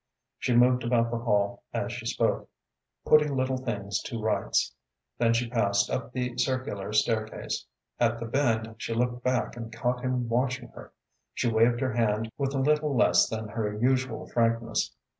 She moved about the hall as she spoke, putting little things to rights. Then she passed up the circular staircase. At the bend she looked back and caught him watching her. She waved her hand with a little less than her usual frankness.